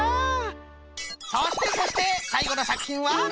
そしてそしてさいごのさくひんは。